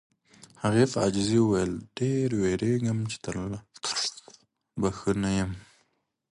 هغې په عاجزۍ وویل: ډېر وېریږم چې لا تر اوسه به ښه نه یم.